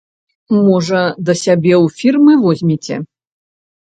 Можа, да сябе ў фірмы возьмеце?